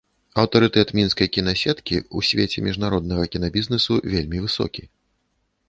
Аўтарытэт мінскай кінасеткі ў свеце міжнароднага кінабізнэсу вельмі высокі.